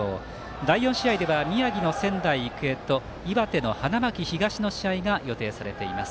第４試合では宮城の仙台育英と岩手の花巻東の試合が予定されています。